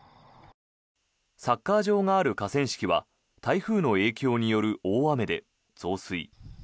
サッカー場がある河川敷は台風の影響による大雨で増水。